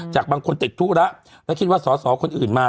จากบางคนติดธุระและคิดว่าสอสอคนอื่นมา